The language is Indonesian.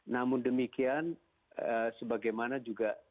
namun demikian sebagaimana juga